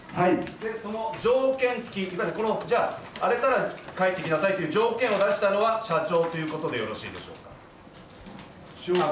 その条件付き、荒れたら帰ってきなさいという条件を出したのは社長ということでよろしいでしょうか。